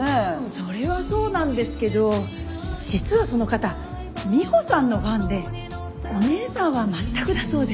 それはそうなんですけど実はその方ミホさんのファンでお姉さんは全くだそうで。